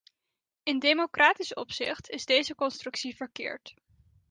In democratisch opzicht is deze constructie verkeerd.